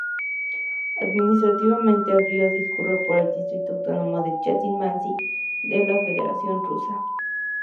Administrativamente, el río discurre por el distrito autónomo de Janti-Mansi de la Federación Rusa.